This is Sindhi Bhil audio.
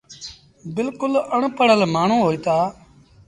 بلڪُل اَڻ پڙهل مآڻهوٚݩ هوئيٚتآ۔